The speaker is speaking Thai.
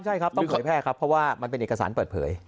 ใช่ครับต้องเผยแพร่ครับเพราะว่ามันเป็นเอกสารเปิดเผย